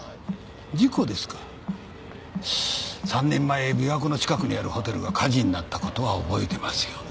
３年前琵琶湖の近くにあるホテルが火事になったことは覚えてますよね？